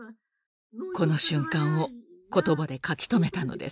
この瞬間を言葉で書き留めたのです。